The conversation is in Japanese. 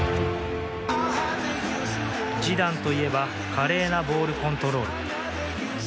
ジダンといえば華麗なボールコントロール。